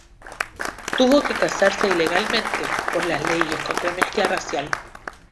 Tuvo que casarse ilegalmente, por las leyes contra mezcla racial.